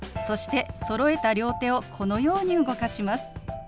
そしてそろえた両手をこのように動かします。